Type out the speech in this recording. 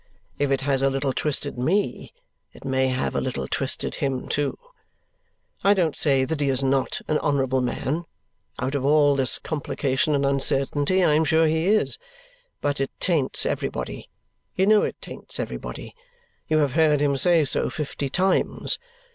If it has a little twisted me, it may have a little twisted him too. I don't say that he is not an honourable man, out of all this complication and uncertainty; I am sure he is. But it taints everybody. You know it taints everybody. You have heard him say so fifty times.